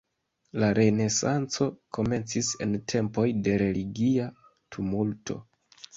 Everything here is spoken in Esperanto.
La Renesanco komencis en tempoj de religia tumulto.